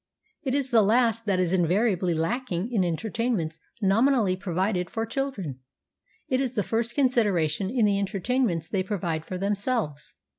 It is this last that is invariably lacking in entertainments nominally provided for children ; it is the first consideration in the entertainments they provide for themselves.